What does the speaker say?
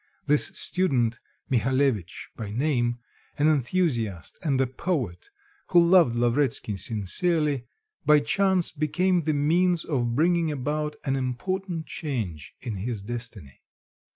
This student Mihalevitch by name, an enthusiast and a poet, who loved Lavretsky sincerely, by chance became the means of bringing about an important change in his destiny.